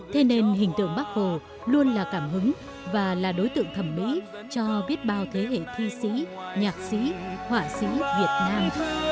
thế nên hình tượng bác hồ luôn là cảm hứng và là đối tượng thẩm mỹ cho biết bao thế hệ thi sĩ nhạc sĩ họa sĩ việt nam